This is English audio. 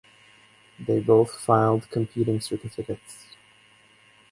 They both filed competing certificates.